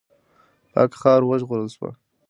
پاکه خاوره وژغورل سوه.